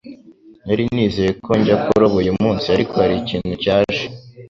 Nari nizeye ko njya kuroba uyu munsi, ariko hari ikintu cyaje.